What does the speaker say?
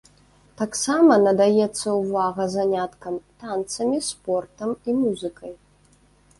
Таксама надаецца ўвага заняткам танцамі, спортам і музыкай.